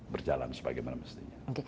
berjalan sebagaimana mestinya